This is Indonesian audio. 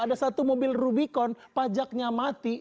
ada satu mobil rubicon pajaknya mati